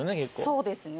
そうですね。